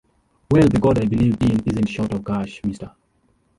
Well the God I believe in isn't short of cash, mister.